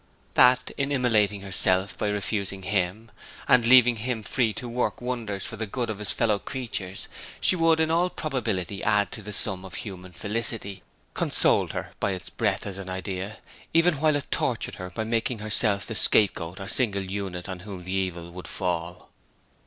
That in immolating herself by refusing him, and leaving him free to work wonders for the good of his fellow creatures, she would in all probability add to the sum of human felicity, consoled her by its breadth as an idea even while it tortured her by making herself the scapegoat or single unit on whom the evil would fall.